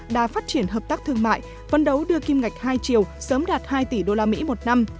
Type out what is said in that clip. đã phát triển hợp tác thương mại vận đấu đưa kim ngạch hai triệu sớm đạt hai tỷ usd một năm